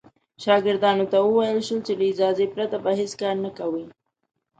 شاګردانو ته وویل شول چې له اجازې پرته به هېڅ کار نه کوي.